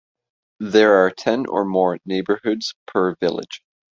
There are ten or more neighborhoods per village.